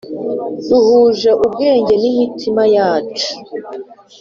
Duhuje ubwenge n’imitima yacu